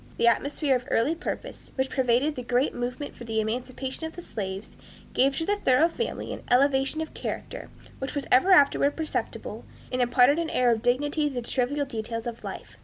The atmosphere of earnest purpose, which pervaded the great movement for the emancipation of the slaves, gave to the Thoreau family an elevation of character which was ever afterward perceptible, and imparted an air of dignity to the trivial details of life.